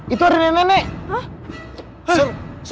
itu ada nenek nenek